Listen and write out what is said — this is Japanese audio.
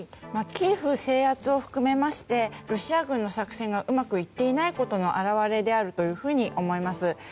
キエフ制圧を含めましてロシア軍の作戦がうまくいっていないことの表れであるというふうに思います。